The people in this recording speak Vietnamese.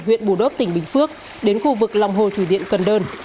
huyện bù đốp tỉnh bình phước đến khu vực lòng hồ thủy điện cần đơn